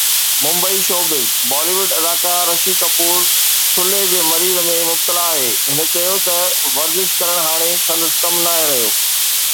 Mumbai (showbiz news) Bollywood اداڪار رشي ڪپور ٿلهي جي مرض ۾ مبتلا آهي، هن چيو آهي ته ورزش ڪرڻ هاڻي سندس ڪم ناهي رهيو.